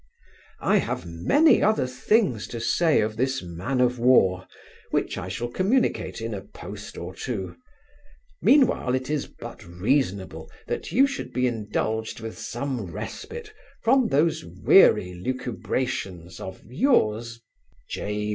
I have many other things to say of this man of war, which I shall communicate in a post or two; mean while, it is but reasonable that you should be indulged with some respite from those weary lucubrations of Yours, J.